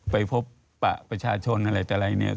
ไปพบประชาชนอะไรนี้